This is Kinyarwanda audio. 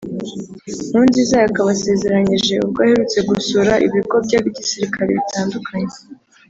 Nkurunziza yakabasezeranyije ubwo aherutse gusura ibigo bya gisirikare bitandukanye